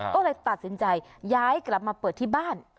ก็เลยตัดสินใจย้ายกลับมาเปิดที่บ้าน